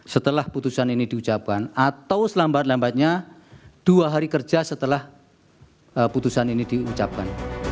setelah putusan ini diucapkan atau selambat lambatnya dua hari kerja setelah putusan ini diucapkan